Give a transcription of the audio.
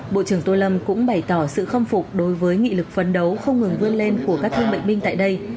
bộ trưởng tô lâm cũng bày tỏ sự khâm phục đối với nghị lực phấn đấu không ngừng vươn lên của các thương bệnh binh tại đây